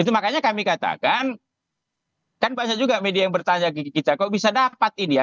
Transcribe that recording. itu makanya kami katakan kan banyak juga media yang bertanya ke kita kok bisa dapat ini ya